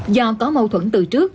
do có mâu thuẫn từ trước